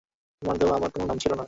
তুই ওখানেই থাক, আমি তোকে নিতে আসছি।